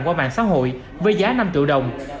qua mạng xã hội với giá năm triệu đồng